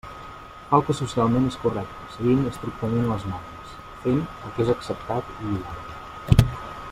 Fa el que socialment és correcte, seguint estrictament les normes; fent el que és acceptat i idoni.